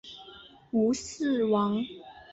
吴氏亡。